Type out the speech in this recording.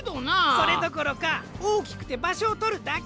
それどころかおおきくてばしょをとるだけ。